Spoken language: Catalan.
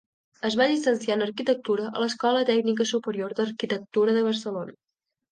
Es va llicenciar en arquitectura a l'Escola Tècnica Superior d'Arquitectura de Barcelona.